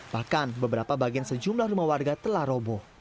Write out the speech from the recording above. bahkan beberapa bagian sejumlah rumah warga telah roboh